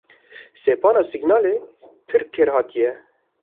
Sepana Signalê pir kêrhatî ye.